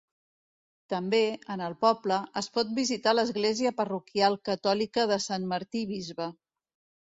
També, en el poble, es pot visitar l'Església parroquial catòlica de Sant Martí Bisbe.